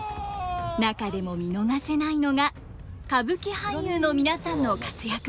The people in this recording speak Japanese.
中でも見逃せないのが歌舞伎俳優の皆さんの活躍ぶり。